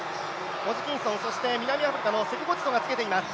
ホジキンソン、そして南アフリカのセクゴディソがつけています。